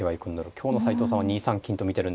今日の斎藤さんは２三金と見てるんですけどね。